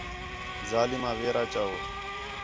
ظالم آ ویرا چؤ